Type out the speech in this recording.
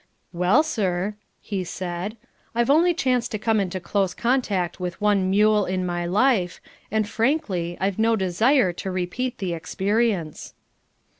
"Well, sir," he said, "I've only chanced to come into close contact with one mule in my life, and, frankly, I've no desire to repeat the experience."